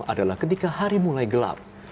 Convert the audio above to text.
adalah ketika hari mulai gelap